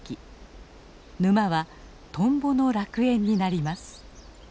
沼はトンボの楽園になります。